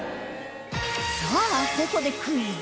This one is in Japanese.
さあここでクイズ